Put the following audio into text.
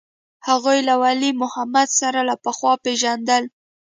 هغوى له ولي محمد سره له پخوا پېژندل.